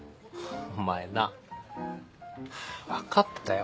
お前な。ハァ分かったよ